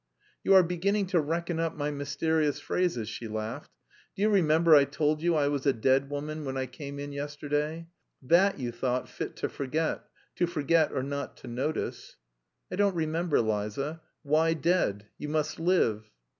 "You are beginning to reckon up my mysterious phrases!" she laughed. "Do you remember I told you I was a dead woman when I came in yesterday? That you thought fit to forget. To forget or not to notice." "I don't remember, Liza. Why dead? You must live."